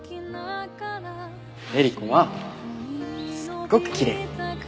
えり子はすっごくきれい。